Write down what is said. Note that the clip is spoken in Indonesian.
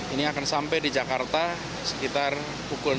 ini akan sampai di jakarta sekitar pukul enam